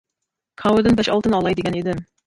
كاۋىدىن بەش-ئالتىنى ئالاي دېگەن ئىدىم.